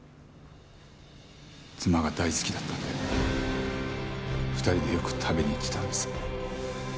妻が大好きだったんで２人でよく食べに行ってたんです。